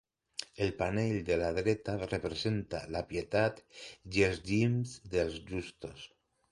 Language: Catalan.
El panell de la dreta representa la Pietat i els Llimbs dels Justos.